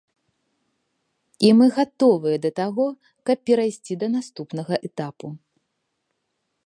І мы гатовыя да таго, каб перайсці да наступнага этапу.